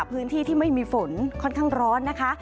พื้นที่ที่ไม่มีฝนค่อนข้างร้อนนะคะ